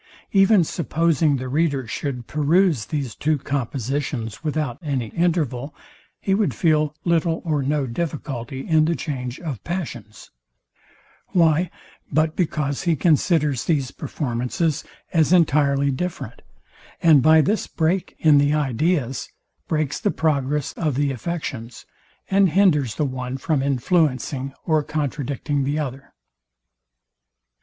Even supposing the reader should peruse these two compositions without any interval, he would feel little or no difficulty in the change of passions: Why, but because he considers these performances as entirely different, and by this break in the ideas, breaks the progress of the affections, and hinders the one from influencing or contradicting the other?